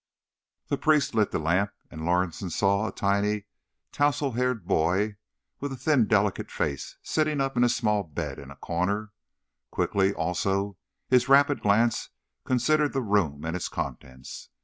The priest lit the lamp, and Lorison saw a tiny, towsled haired boy, with a thin, delicate face, sitting up in a small bed in a corner. Quickly, also, his rapid glance considered the room and its contents.